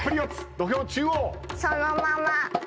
土俵中央。